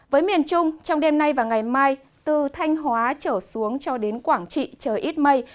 với miền trung trong đêm nay và ngày mai từ thanh hóa trở xuống cho đến quảng trị trời ít mây